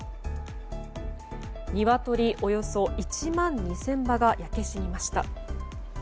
ニワトリおよそ１万２０００羽が焼け死にました。